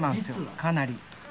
かなり。